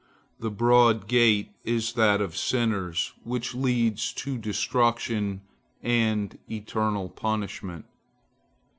The broad gate is that of sinners, which leads to destruction and eternal punishment.